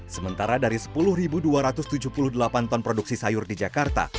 sementara dari sepuluh dua ratus tujuh puluh delapan ton produksi sayur di jakarta